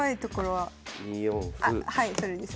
はいそれです。